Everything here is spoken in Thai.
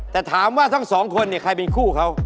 แต่ถามว่าทั้งสองคนเนี่ยใครเป็นคู่เขา